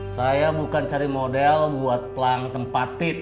saya bukan cari model buat pelang tempatin